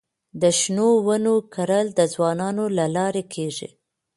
د شنو ونو کرل د ځوانانو له لارې کيږي.